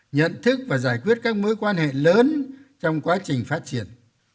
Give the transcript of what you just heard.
nhận thức và giải quyết các mối quan hệ lớn trong quá trình phát triển